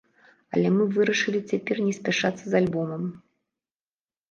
Але мы вырашылі цяпер не спяшацца з альбомам.